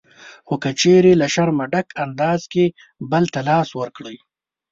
خو که چېرې له شرمه ډک انداز کې بل ته لاس ورکړئ